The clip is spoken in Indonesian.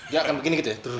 ya akan begini gitu ya